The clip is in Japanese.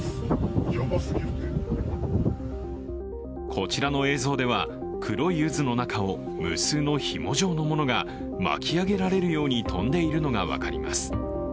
こちらの映像では、黒い渦の中を無数のひも状のものが巻き上げられるように飛んでいるのが分かります。